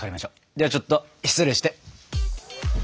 ではちょっと失礼して。